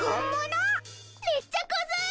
めっちゃコズい！